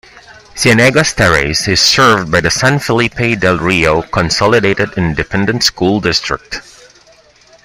Cienegas Terrace is served by the San Felipe Del Rio Consolidated Independent School District.